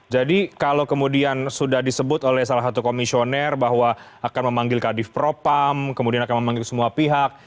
jadi kalau kemudian sudah disebut oleh salah satu komisioner bahwa akan memanggil kadif propam kemudian akan memanggil semua pihak